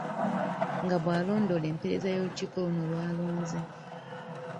Nga bwalondoola empeereza y’olukiiko luno lwalonze.